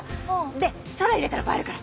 で空入れたら映えるから。